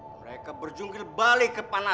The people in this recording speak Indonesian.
mereka berjungkil balik kepadanya